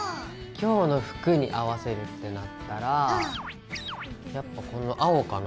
今日の服に合わせるってなったらやっぱこの青かな？